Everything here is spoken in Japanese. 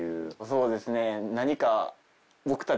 そうですね何か。